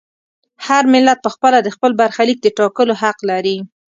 هر ملت په خپله د خپل برخلیک د ټاکلو حق لري.